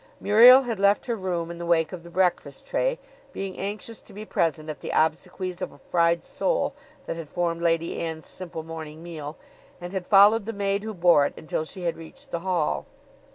Muriel had left her room in the wake of the breakfast tray, being anxious to be present at the obsequies of a fried sole that had formed Lady Ann's simple morning meal, and had followed the maid who bore it until she had reached the hall.